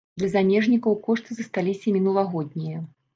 Для замежнікаў кошты засталіся мінулагоднія.